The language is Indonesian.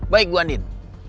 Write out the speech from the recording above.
baik bu andin